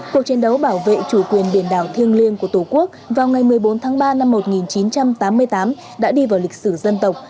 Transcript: cuộc chiến đấu bảo vệ chủ quyền biển đảo thiêng liêng của tổ quốc vào ngày một mươi bốn tháng ba năm một nghìn chín trăm tám mươi tám đã đi vào lịch sử dân tộc